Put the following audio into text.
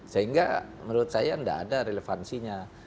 sehingga menurut saya tidak ada relevansinya